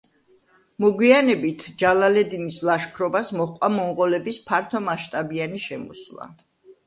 მოგვიანებით ჯალალედინის ლაშქრობას მოჰყვა მონღოლების ფართომასშტაბიანი შემოსვლა.